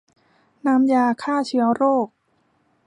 น้ำยาฆ่าเชื้อโรค